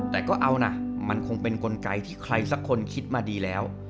แต่ก็เอานะมันคงเป็นกลไกที่ใครสักคนคิดมาดีแล้ว